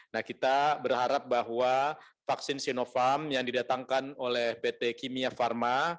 nah kita berharap bahwa vaksin sinovac yang didatangkan oleh pt kimia pharma